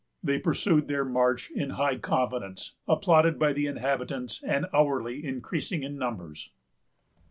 They pursued their march in high confidence, applauded by the inhabitants, and hourly increasing in numbers.